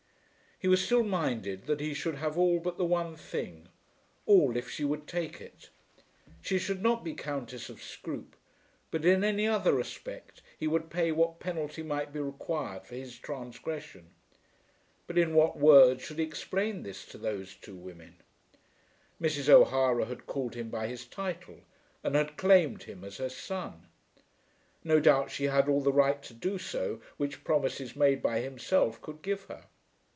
He was still minded that she should have all but the one thing, all if she would take it. She should not be Countess of Scroope; but in any other respect he would pay what penalty might be required for his transgression. But in what words should he explain this to those two women? Mrs. O'Hara had called him by his title and had claimed him as her son. No doubt she had all the right to do so which promises made by himself could give her.